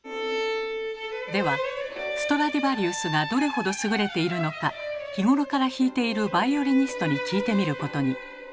ではストラディヴァリウスがどれほど優れているのか日頃から弾いているバイオリニストに聞いてみることに。